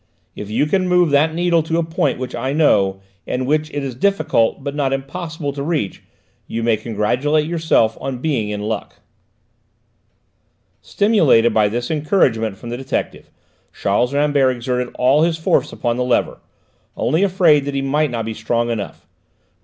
If you can move that needle to a point which I know, and which it is difficult but not impossible to reach, you may congratulate yourself on being in luck." Stimulated by this encouragement from the detective, Charles Rambert exerted all his force upon the lever, only afraid that he might not be strong enough.